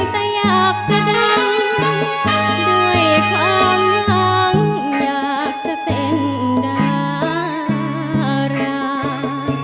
แต่อยากจะดังด้วยความหวังอยากจะเป็นดารา